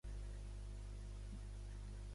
No hi ha millor salsa que la de sant Bernat.